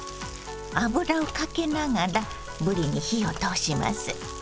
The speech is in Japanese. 油をかけながらぶりに火を通します。